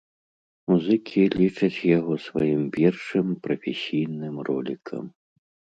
Музыкі лічаць яго сваім першым прафесійным ролікам.